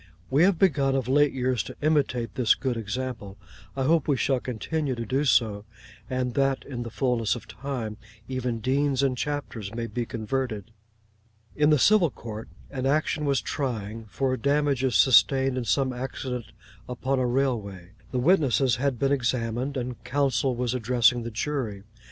We have begun of late years to imitate this good example. I hope we shall continue to do so; and that in the fulness of time, even deans and chapters may be converted. In the civil court an action was trying, for damages sustained in some accident upon a railway. The witnesses had been examined, and counsel was addressing the jury.